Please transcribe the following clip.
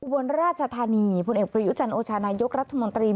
บนราชธานีพลเอกประยุจันโอชานายกรัฐมนตรี